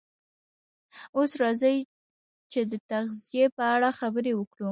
اوس راځئ چې د تغذیې په اړه خبرې وکړو